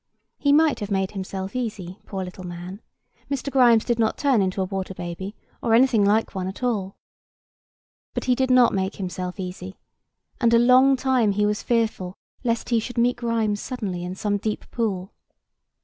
He might have made himself easy, poor little man; Mr. Grimes did not turn into a water baby, or anything like one at all. But he did not make himself easy; and a long time he was fearful lest he should meet Grimes suddenly in some deep pool.